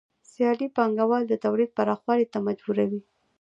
سیالي پانګوال د تولید پراخوالي ته مجبوروي